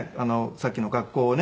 さっきの学校ね